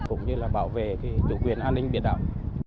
cũng như là bảo vệ chủ quyền an ninh biển đảo